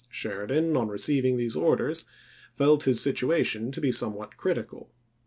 Sheridan, on receiving these orders, felt his situation to be somewhat critical.